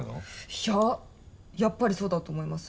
いややっぱりそうだと思います。